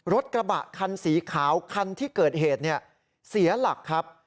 รถกระบะคันสีขาวคันที่เกิดเหตุเสียหลักครับ